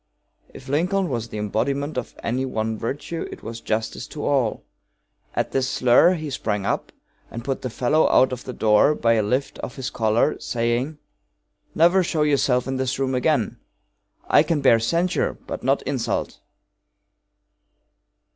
If Lincoln was the embodiment of any one virtue it was justice to all. At this slur he sprang up and put the fellow out of the door by a lift of his collar, saying: "Never show yourself in this room again! I can bear censure, but not insult!"